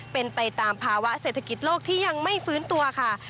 เป็นไปตามภาวะเศรษฐกิจโลกที่ยังไม่ฟื้นตัวค่ะ